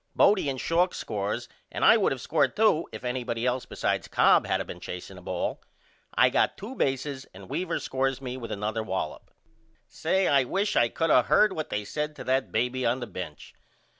Bodie and Schalk scores and I would of scored to if anybody else besides Cobb had of been chaseing the ball. I got 2 bases and Weaver scores me with another wallop. Say, I wish I could of heard what they said to that baby on the bench.